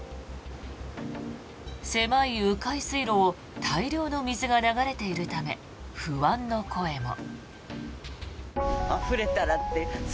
狭い迂回水路を大量の水が流れているため不安の声も。